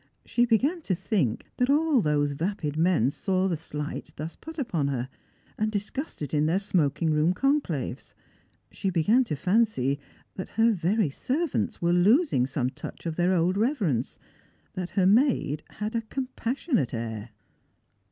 She began to think that all those vapid men saw the slight thus put upon her, and discussed it in their smoking room conclaves. She began to fancy that her very servants were losing some touch of their old reverence ; that her maid had a compassionate air.